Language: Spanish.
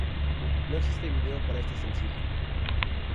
No existe video para este sencillo.